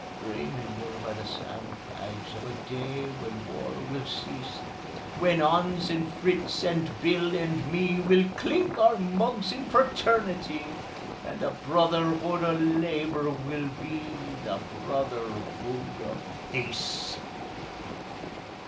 _ Dreamin' 'ere by the sandbags Of a day when war will cease, When 'Ans and Fritz and Bill and me Will clink our mugs in fraternity, And the Brotherhood of Labour will be The Brotherhood of Peace.